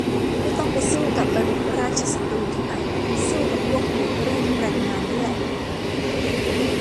ไม่ต้องไปสู้กับอริราชศัตรูที่ไหน สู้กับพวกขูดรีดแรงงานนี่แหละ